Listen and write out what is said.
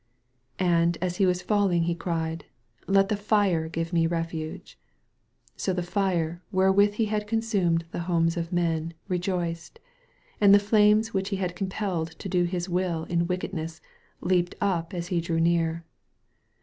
And as he was falling he cried, ''Let the Fire give me a refuge !" So the Fire, wherewith he had consumed the homes of men, rejoiced; and the flames which he had compelled to do his will in wickedness leaped up as he drew near.